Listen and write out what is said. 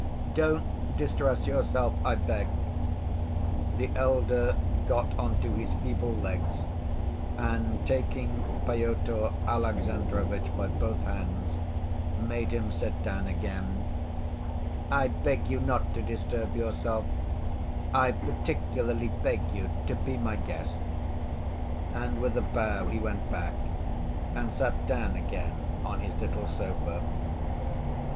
"Don't distress yourself, I beg." The elder got on to his feeble legs, and taking Pyotr Alexandrovitch by both hands, made him sit down again. "I beg you not to disturb yourself. I particularly beg you to be my guest." And with a bow he went back and sat down again on his little sofa.